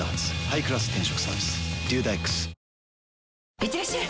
いってらっしゃい！